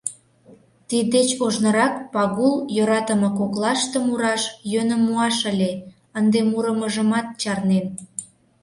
Тиддеч ожнырак Пагул йӧратыме коклаште мураш йӧным муаш ыле, ынде мурымыжымат чарнен.